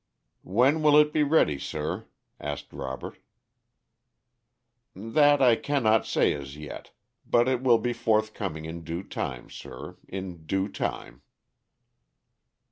"When will it be ready, sir?" asked Robert. "That I can not say as yet, but it will be forthcoming in due time, sir; in due time."